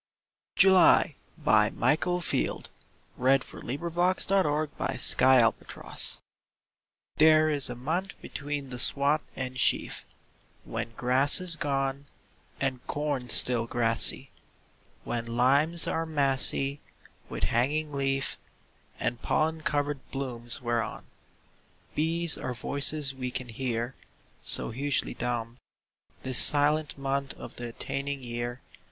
mes call Upon our love, and the long echoes fall. Michael Field July THERE is a month between the swath and sheaf When grass is gone And corn still grassy; When limes are massy With hanging leaf, And pollen coloured blooms whereon Bees are voices we can hear, So hugely dumb This silent month of the attaining year.